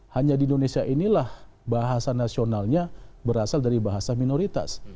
hanya di indonesia inilah bahasa nasionalnya berasal dari bahasa minoritas